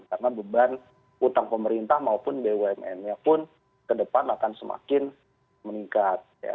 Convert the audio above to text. karena beban utang pemerintah maupun bumn nya pun ke depan akan semakin meningkat